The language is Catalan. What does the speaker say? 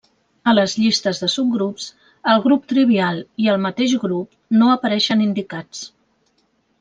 A les llistes de subgrups, el grup trivial i el mateix grup no apareixen indicats.